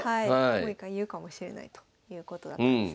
もう一回言うかもしれないということだったんですね。